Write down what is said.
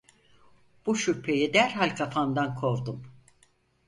Bu şüpheyi derhal kafamdan kovdum.